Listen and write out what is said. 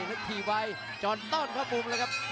แล้วถี่ไว้จอนต้อนเข้ามุมเลยครับ